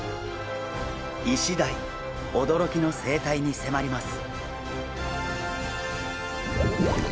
イシダイおどろきの生態にせまります！